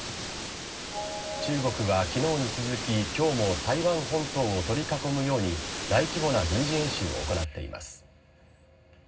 中国は昨日に続き今日も台湾本島を取り囲むように大規模な軍事演習を行っています。